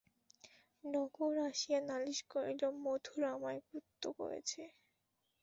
নকুড় আসিয়া নালিশ করিল, মথুর আমায় কুত্তো কয়েছে।